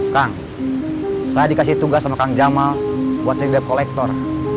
kang saya dikasih tugas sama kang jamal buat tiga d web collector